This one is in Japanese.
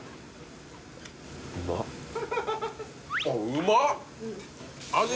うまっ味